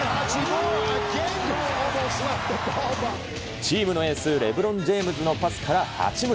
チームのエース、レブロン・ジェームズのパスから八村。